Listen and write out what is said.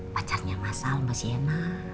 pacarnya masal mbak sienna